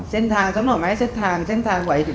เส้นทางสำนวนเส้นทางไหว